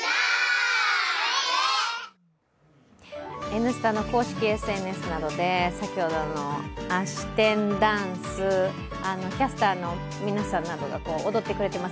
「Ｎスタ」の公式ＳＮＳなどで先ほどのあし天ダンス、キャスターの皆さんなどが踊ってくれてます。